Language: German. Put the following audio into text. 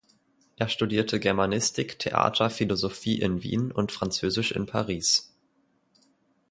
Er studierte Germanistik, Theater, Philosophie in Wien und Französisch in Paris.